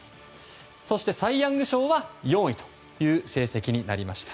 そしてサイ・ヤング賞は４位という成績になりました。